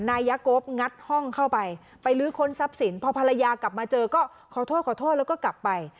นายกบงัดห้องเข้าไปไปลื้อค้นทรัพย์สินพอภรรยากลับมาเจอก็ขอโทษขอโทษแล้วก็กลับไป